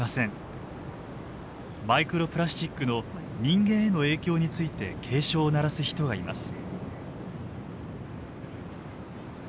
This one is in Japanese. マイクロプラスチックの人間への影響について警鐘を鳴らす人がいます。